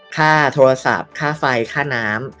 ค่าโทรศัพท์ค่าไฟค่าน้ำ